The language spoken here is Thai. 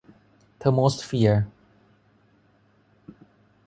เทอร์โมสเฟียร์